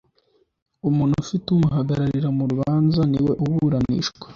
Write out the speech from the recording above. Umuntu ufite umuhagararira mu rubanza niwe uburanishwa